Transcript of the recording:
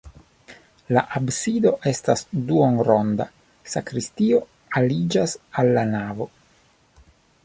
La absido estas duonronda, sakristio aliĝas al la navo.